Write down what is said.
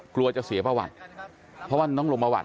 กลัวจะเสียประวัติเพราะว่ามันต้องลงประวัติ